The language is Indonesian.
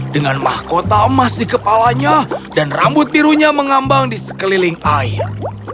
dengan mahkota emas di kepalanya dan rambut birunya mengambang di sekeliling air